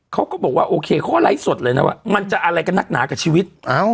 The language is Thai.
เขาก็บอกว่าโอเคเขาก็ไลฟ์สดเลยนะว่ามันจะอะไรกันนักหนากับชีวิต